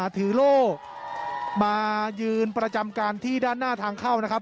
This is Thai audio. โล่มายืนประจำการที่ด้านหน้าทางเข้านะครับ